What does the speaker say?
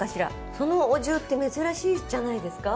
そのお重って珍しいじゃないですか。